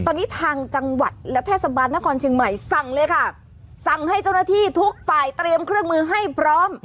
ตอนนี้ทางจังหวัดและเทศบาลนครเชียงใหม่สั่งเลยค่ะสั่งให้เจ้าหน้าที่ทุกฝ่ายเตรียมเครื่องมือให้พร้อม